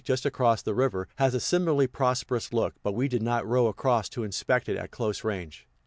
just across the river, has a similarly prosperous look, but we did not row across to inspect it at close range.